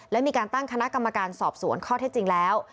และมีการตั้งคณะกรรมการสอบสวนข้อเท็จจริงแล้ว